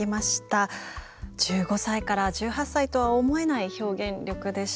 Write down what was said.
１５歳から１８歳とは思えない表現力でした。